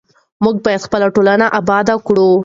موږ باید خپله ټولنه اباده کړو.